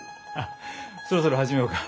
そろそろ始めようか。